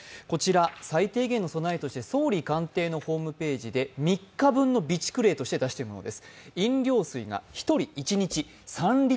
最低限の備えとして総理官邸のホームページで３日分の備蓄例として出しているんです。